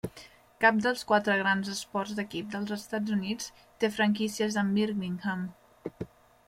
Cap dels quatre grans esports d'equip dels Estats Units té franquícies en Birmingham.